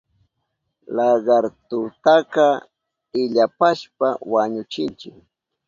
Lagartutaka illapashpa wañuchinchi.